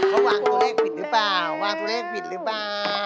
เขาวางตัวเลขผิดหรือเปล่าวางตัวเลขผิดหรือเปล่า